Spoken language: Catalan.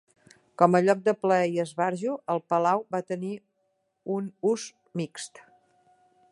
Com a lloc de plaer i esbarjo, el palau va tenir un ús mixt.